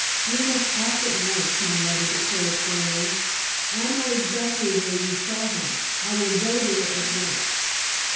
"We must act at once," my mother declared, firmly. "I know exactly where you saw him. I will go there at once."